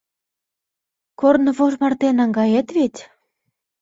Корнывож марте наҥгает вет?